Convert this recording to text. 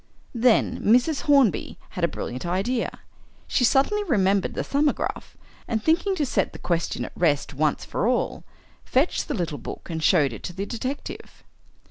Then Mrs. Hornby had a brilliant idea. She suddenly remembered the 'Thumbograph,' and thinking to set the question at rest once for all, fetched the little book and showed it to the detective.